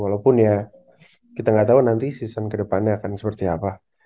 walaupun ya kita gak tau nanti season kedepannya akan seperti apa